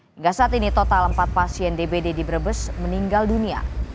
hingga saat ini total empat pasien dbd di brebes meninggal dunia